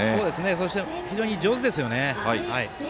そして、非常に上手ですね。